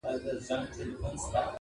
• د بزګر لرګی به سم ورته اړم سو -